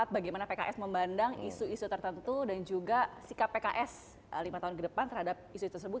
bagaimana pks memandang isu isu tertentu dan juga sikap pks lima tahun ke depan terhadap isu tersebut